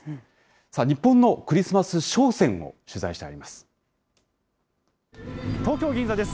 さあ、日本のクリスマス商戦を取材してあります。